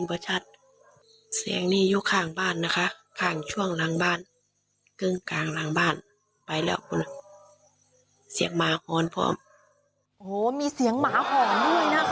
โอ้โหมีเสียงหมาหอนด้วยนะคะ